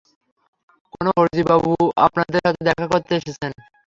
কোনো ফর্জি বাবু আপনার সাথে দেখা করতে এসেছেন।